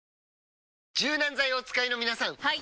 柔軟剤をお使いの皆さんはい！